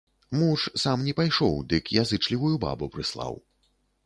Муж сам не пайшоў, дык язычлівую бабу прыслаў.